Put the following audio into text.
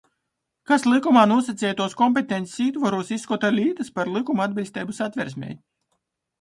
Kas lykumā nūsaceituos kompetencis ītvorūs izskota lītys par lykumu atbiļsteibu Satversmei,